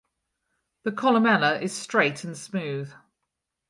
The columella is straight and smooth.